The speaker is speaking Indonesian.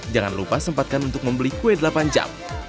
jangan lupa sempatkan untuk membeli kue delapan jam